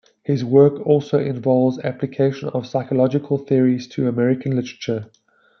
His work also involves application of psychological theories to American literature.